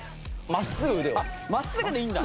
真っすぐでいいんだ。